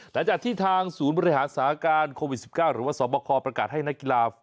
หลังจากที่ทางศูนย์บริหารสถานการณ์โควิด๑๙หรือว่าสอบคอประกาศให้นักกีฬา